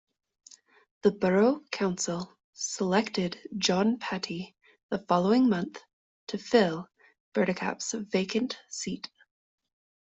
The Borough Council selected John Patti the following month to fill Bertekap's vacant seat.